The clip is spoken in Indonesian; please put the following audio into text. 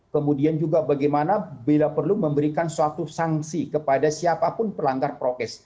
kemudian juga bagaimana bila perlu memberikan suatu sanksi kepada siapapun pelanggar prokes